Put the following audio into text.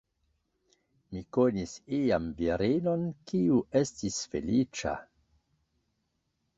Mi konis iam virinon, kiu estis feliĉa.